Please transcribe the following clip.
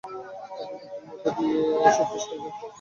তাঁদের মৃত্যুর মধ্য দিয়ে এসব শেষ হয়ে যাক, তাঁরা সেটা চান না।